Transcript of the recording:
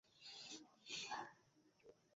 কেন এই অভ্যাস গড়ে উঠেছিল তা তোমাকে বলব না।